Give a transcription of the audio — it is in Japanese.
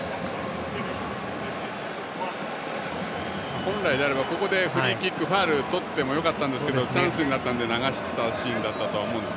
本来であればここでフリーキックファウルをとってもよかったんですけどチャンスになったので流したシーンだったと思います。